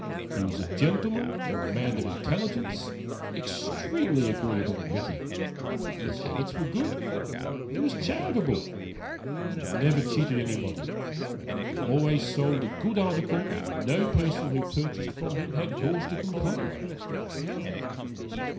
He was a gentleman and a man of intelligence, extremely agreeable and witty. His habits were good; he was charitable. He never cheated anybody. He always sold a good article, and no person who purchased from him had cause to complain."